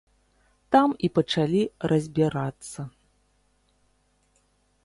Там і пачалі разбірацца.